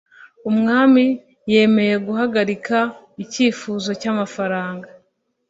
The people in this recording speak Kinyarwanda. umwami yemeye guhagarika icyifuzo cy'amafaranga.